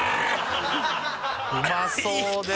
うまそうですね